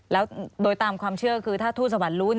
แล้วโดยตามความเชื่อคือถ้าทู่สวรรค์รู้